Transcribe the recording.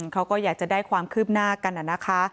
เขาก็อยากจะได้ความคืบหน้ากันนะคะ